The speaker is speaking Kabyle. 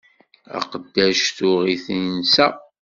Aqeddac tuɣ-it insa.